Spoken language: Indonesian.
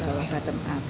kalau bottom up